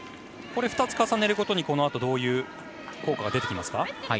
２つ重ねることに、このあとどういう効果が出てきますか？